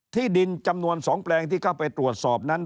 ที่ดินจำนวน๒แปลงที่เข้าไปตรวจสอบนั้น